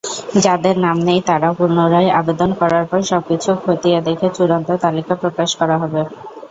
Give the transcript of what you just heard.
যাদের নাম নেই তারা পুনরায় আবেদন করার পর সব কিছু খতিয়ে দেখে চূড়ান্ত তালিকা প্রকাশ করা হবে।